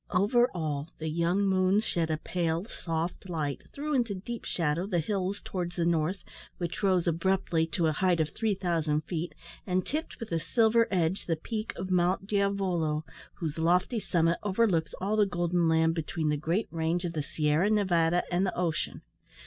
Over all, the young moon shed a pale, soft light, threw into deep shadow the hills towards the north, which rose abruptly to a height of 3000 feet, and tipped with a silver edge the peak of Monte Diavolo, whose lofty summit overlooks all the golden land between the great range of the Sierra Nevada and the ocean.